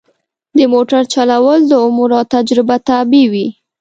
د موټر چلول د عمر او تجربه تابع وي.